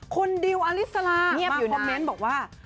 คุณดิวอลิสลามาคอมเมนต์บอกว่า